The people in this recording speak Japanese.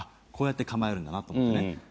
こうやって構えるんだなと思ってね。